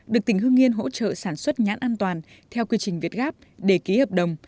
được tỉnh hương yên hỗ trợ sản xuất nhãn an toàn theo quy trình việt gáp để ký hợp đồng